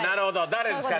誰ですか？